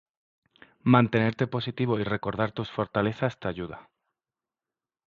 Mantenerte positivo y recordar tus fortalezas te ayuda